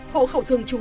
hộ khẩu thường trú